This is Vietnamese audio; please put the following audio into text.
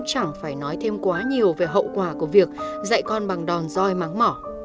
chúng ta không thể nói thêm quá nhiều về hậu quả của việc dạy con bằng đòn doi mắng mỏ